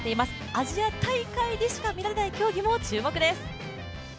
アジア大会でしか見られない競技も注目です。